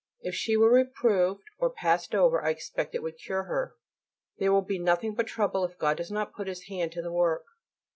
If she were reproved, or passed over, I expect it would cure her. There will be nothing but trouble if God does not put His hand to the work.